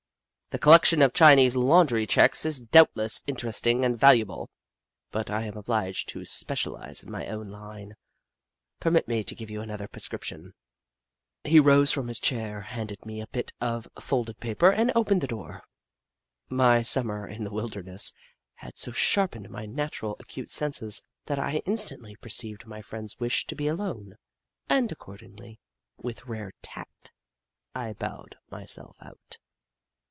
The collection of Chinese laundry checks is doubtless interest ing and valuable, but I am obliged to special ise in my own line. Permit me to give you another prescription." He rose from his chair, handed me a bit of folded paper, and opened the door. My Sum mer in the wilderness had so sharpened my naturally acute senses, that I instantly perceived my friend's wish to be alone, and accordingly, with rare tact, I bowed myself out.